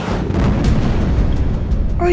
soal pembunuhan roy